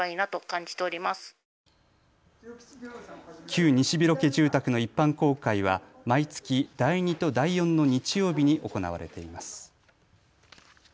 旧西廣家住宅の一般公開は毎月第２と第４の日曜日に行われています。